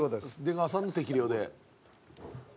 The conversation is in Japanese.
出川さんの適量で。